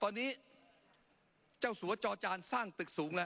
ตอนนี้เจ้าสัวจอจานสร้างตึกสูงแล้ว